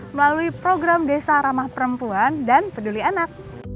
melalui program desa ramah perempuan dan peduli anak